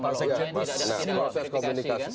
kalau sekjen ini tidak ada proses komunikasi kan